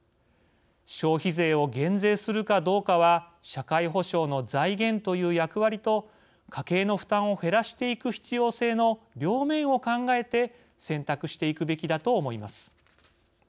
消費税を減税するかどうかは社会保障の財源という役割と家計の負担を減らしていく必要性の両面を考えて選択していくべきだと思います。